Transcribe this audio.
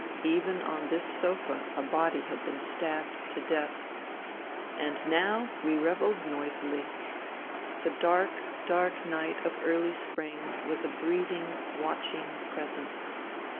Even on this sofa a body had been stabbed to death. And now we revelled noisily. The dark, dark night of early spring was a breathing, watching presence.